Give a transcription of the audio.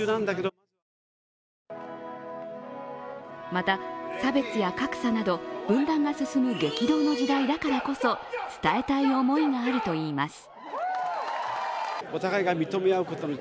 また、差別や格差など分断が進む激動の時代だからこそ伝えたい思いがあるといいます。